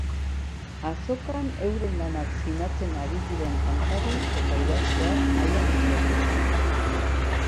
Azokan euren lanak sinatzen ari diren kantari eta idazleak mahaian eseriz.